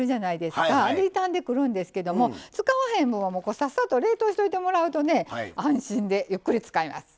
あれ傷んでくるんですけども使わへんのはさっさと冷凍しといてもらうとね安心でゆっくり使えます。